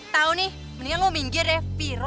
tau nih mendingan lo minggir ya piro